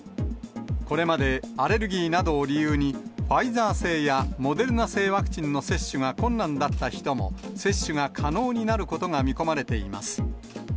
これまでアレルギーなどを理由に、ファイザー製やモデルナ製ワクチンの接種が困難だった人も、接種が可能になることが見込まれています。